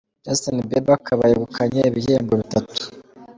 Justin Bieber akaba yegukanye ibihembo bitatu.